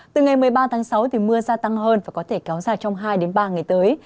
từ ngày một mươi ba tháng sáu mưa gia tăng hơn và có thể kéo dài trong hai ba ngày tới